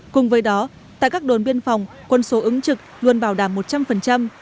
cùng với đó tại các đồn biên phòng quân số ứng trực luôn bảo đảm một trăm linh